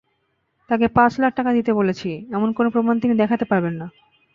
তাঁকে পাঁচ লাখ টাকা দিতে বলেছি—এমন কোনো প্রমাণ তিনি দেখাতে পারবেন না।